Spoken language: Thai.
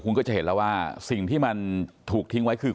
คุณก็จะเห็นแล้วว่าสิ่งที่มันถูกทิ้งไว้คือ